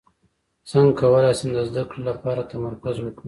څنګه کولی شم د زده کړې لپاره تمرکز وکړم